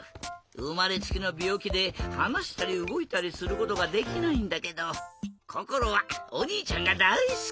うまれつきのびょうきではなしたりうごいたりすることができないんだけどこころはおにいちゃんがだいすき！